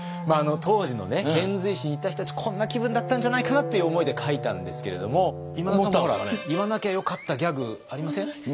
当時の遣隋使に行った人たちこんな気分だったんじゃないかなという思いで書いたんですけれども今田さんも言わなきゃよかったギャグありません？